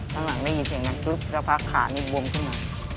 ข้างหลังได้ยินเสียงนั้นพักขาอีกนิดแบบนี้บวมขึ้นมา